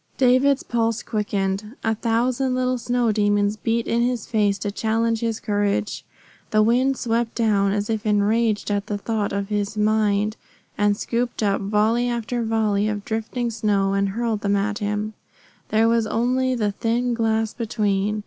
David's pulse quickened. A thousand little snow demons beat in his face to challenge his courage. The wind swept down, as if enraged at the thought in his mind, and scooped up volley after volley of drifting snow and hurled them at him. There was only the thin glass between.